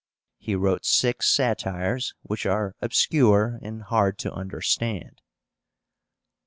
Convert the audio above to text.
He wrote six satires, which are obscure and hard to understand.